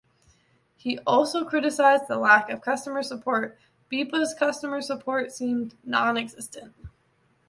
He also criticized the lack of customer support: Beepa's customer support seems nonexistent.